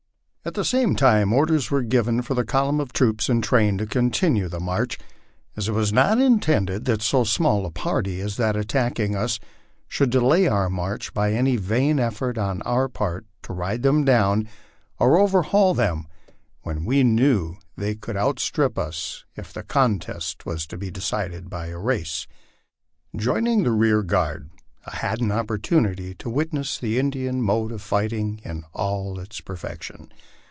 At the same time orders were given for the column of troops and train to continue the march, as it was not intended that so small a party as that attacking us should delay our march by any vain effort on our part to ride them down, or 136 LIFE ON THE PLAINS. overhaul them, when we knew they could outstrip us if the contest was to be decided by a race. Joining the rear guard, I had an opportunity to witness the Indian mode of fighting in all its perfection.